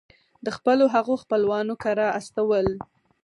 د خپلو هغو خپلوانو کره استول.